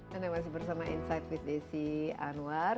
dan yang masih bersama insat with desi anwar